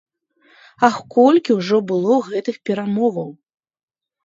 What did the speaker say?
Ах, колькі ўжо было гэтых перамоваў!